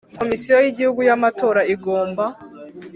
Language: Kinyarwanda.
Komisiyo y Igihugu y Amatora igomba